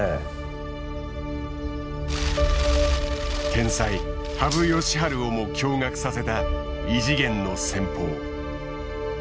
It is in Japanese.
天才羽生善治をも驚がくさせた異次元の戦法。